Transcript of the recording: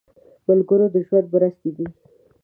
ملګری د ژوند مرستې دی